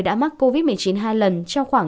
đã mắc covid một mươi chín hai lần trong khoảng